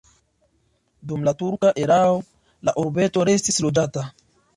Dum la turka erao la urbeto restis loĝata.